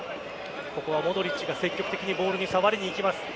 ここはモドリッチが積極的にボールに触りに行きます。